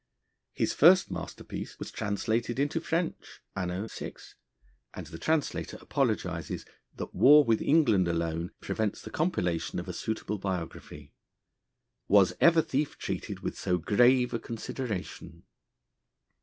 His first masterpiece was translated into French, anno VI., and the translator apologises that war with England alone prevents the compilation of a suitable biography. Was ever thief treated with so grave a consideration?